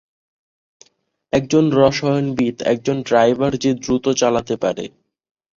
একজন রসায়নবিদ, একজন ড্রাইভার যে দ্রুত চালাতে পারে।